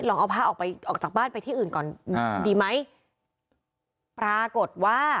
เอาผ้าออกไปออกจากบ้านไปที่อื่นก่อนอ่าดีไหมปรากฏว่า